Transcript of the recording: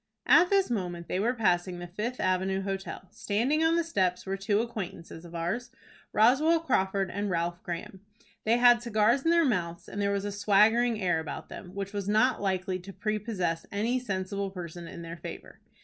At this moment they were passing the Fifth Avenue Hotel. Standing on the steps were two acquaintances of ours, Roswell Crawford and Ralph Graham. They had cigars in their mouths, and there was a swaggering air about them, which was not likely to prepossess any sensible person in their favor.